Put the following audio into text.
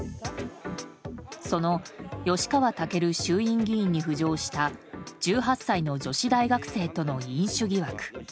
その吉川赳衆院議員に浮上した１８歳の女子大学生との飲酒疑惑。